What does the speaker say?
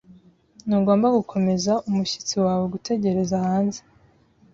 Ntugomba gukomeza umushyitsi wawe gutegereza hanze.